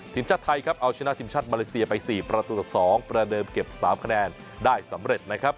ทีมชาติไทยครับเอาชนะทีมชาติมาเลเซียไป๔ประตูต่อ๒ประเดิมเก็บ๓คะแนนได้สำเร็จนะครับ